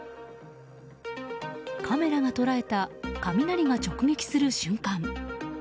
カメラが捉えた雷が直撃する瞬間。